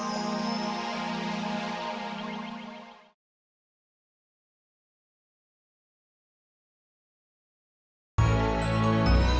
kisah kisah yang berakhir di dalam cerita ini